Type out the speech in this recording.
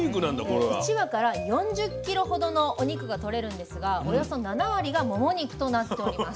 １羽から４０ｋｇほどのお肉が取れるんですがおよそ７割がモモ肉となっております。